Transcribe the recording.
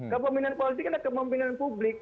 kepemimpinan politik kan ada kepemimpinan publik